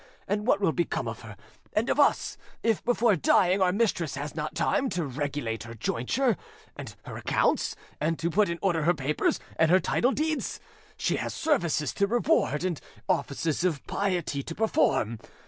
And what will become of her, and of us, if before dying, our mistress has not time to regulate her jointure and her accounts and to put in order her papers and her title deeds? She has services to reward and offices of piety to perform.